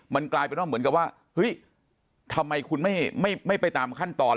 มันกลายเป็นว่าเหมือนกับว่าเฮ้ยทำไมคุณไม่ไปตามขั้นตอน